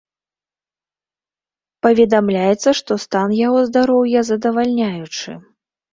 Паведамляецца, што стан яго здароўя задавальняючы.